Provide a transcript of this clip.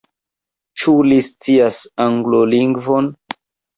Ĉu li scias Anglolingvon?